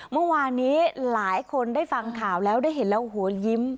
เมื่อวานนี้หลายคนได้ฟังข่าวแล้วได้เห็นแล้วหัวยิ้ม